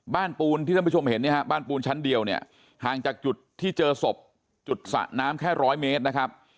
ปูนที่ท่านผู้ชมเห็นเนี่ยฮะบ้านปูนชั้นเดียวเนี่ยห่างจากจุดที่เจอศพจุดสระน้ำแค่ร้อยเมตรนะครับ